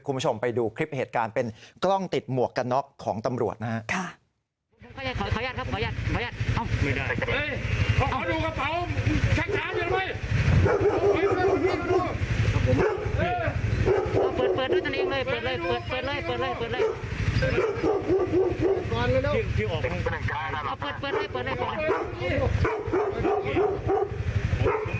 คุณผู้ชมไปดูคลิปเหตุการณ์เป็นกล้องติดหมวกกันน็อกของตำรวจนะครับ